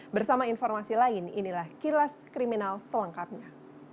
bersama informasi lain inilah kilas kriminal selengkapnya